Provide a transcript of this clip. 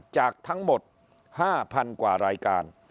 จากทั้งหมด๕๐๐๐กว่ารายการ